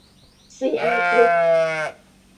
ซี ไอ กรุ๊ป